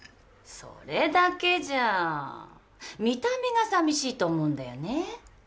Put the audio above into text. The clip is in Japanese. それだけじゃあ見た目が寂しいと思うんだよね